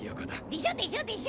でしょでしょでしょ？